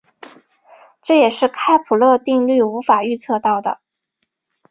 这也是开普勒定律无法预测到的。